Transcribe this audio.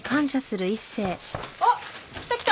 あっ来た来た！